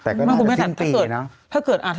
แต่ก็น่าจะถึงตีเนอะ